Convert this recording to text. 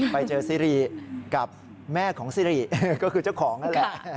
ไปเจอซิริกับแม่ของซิริก็คือเจ้าของนั่นแหละ